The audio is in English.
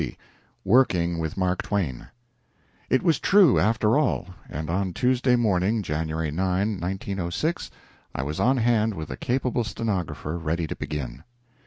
LX. WORKING WITH MARK TWAIN It was true, after all; and on Tuesday morning, January 9, 1906, I was on hand with a capable stenographer, ready to begin.